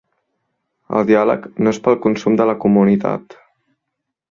El diàleg no és pel consum de la comunitat.